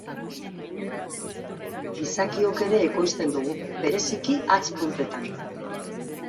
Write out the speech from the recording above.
Gizakiok ere ekoizten dugu, bereziki hatz puntetan.